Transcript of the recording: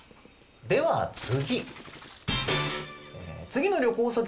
では次。